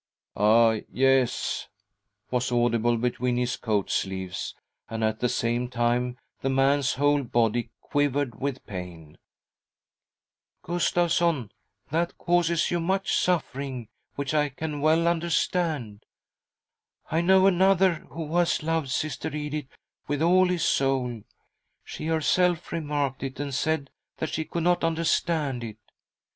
A " Yes " was audible between his coat sleeves, and at the same time the man's whole body quivered with pain^ " Gustavsson, that causes you much suffering, which I can well understand I know another who has loved Sister Edith with all his soul — she herself remarked it and said that she could not understand it.